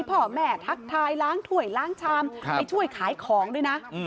พ่อแม่ทักทายล้างถ้วยล้างชามไปช่วยขายของด้วยนะ